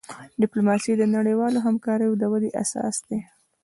ډیپلوماسي د نړیوالی همکاری د ودي اساس دی.